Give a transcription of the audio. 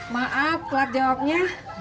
maaf kelak jawabnya